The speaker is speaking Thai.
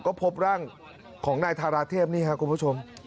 ก็พบร่างของนายทาราเทพนี่ครับคุณผู้ชม